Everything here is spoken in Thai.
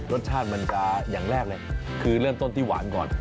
รสชาติมันจะอย่างแรกเลยคือเริ่มต้นที่หวานก่อน